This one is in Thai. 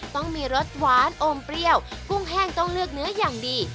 ต้องมีรสหวานอมเปรี้ยวกุ้งแห้งต้องเลือกเนื้ออย่างดี